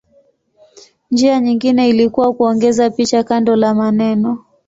Njia nyingine ilikuwa kuongeza picha kando la maneno.